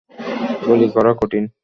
গুলি করা কঠিন।